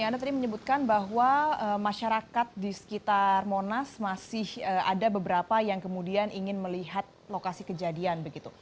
anda tadi menyebutkan bahwa masyarakat di sekitar monas masih ada beberapa yang kemudian ingin melihat lokasi kejadian begitu